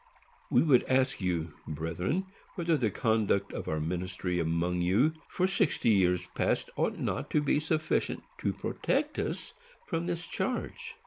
We would ask you, brethren, whether the conduct of our ministry among you for sixty years past ought not to be sufficient to protect us from this charge.